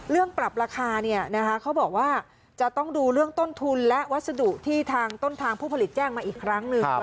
ปรับราคาเขาบอกว่าจะต้องดูเรื่องต้นทุนและวัสดุที่ทางต้นทางผู้ผลิตแจ้งมาอีกครั้งหนึ่ง